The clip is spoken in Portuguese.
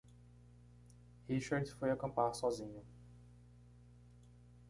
Richard foi acampar sozinho.